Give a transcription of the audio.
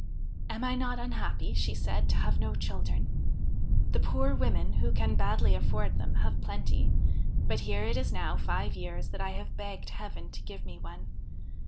'Am I not unhappy,' she said, ' to have no children I The poor women, who can badly afford them, have plenty ; but here it is now five years that I have begged heaven to give me one.